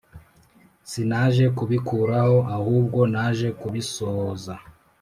Sinaje kubikuraho ahubwo naje kubisohoza.